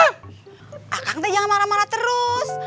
kakang teh jangan marah marah terus